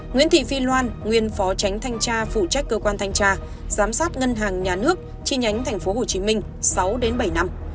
nguyễn thị phi loan nguyên phó tránh thanh tra phụ trách cơ quan thanh tra giám sát ngân hàng nhà nước chi nhánh tp hcm sáu bảy năm